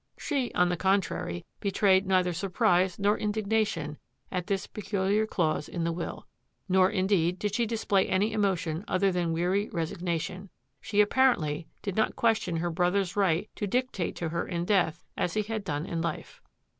She, on the contrary, betrayed neither surprise nor indignation at this peculiar clause in the will ; nor, indeed, did she display any emotion other than weary resignation. She apparently did not ques tion her brother's right to dictate to her in death as he had done in life.